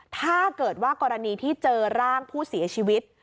ถ้าเกิดว่ากรณีที่เจอร่างผู้เสียชีวิต